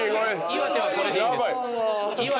岩手はこれでいいんです。